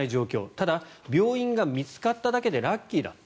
ただ、病院が見つかっただけでラッキーだと。